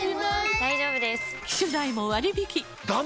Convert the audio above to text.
大丈夫です！